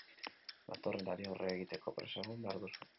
Datorrenari aurre egiteko prest egon behar duzu.